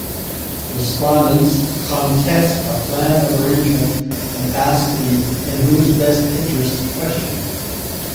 Respondents contest a Plan of Arrangement and ask the "in whose best interest" question.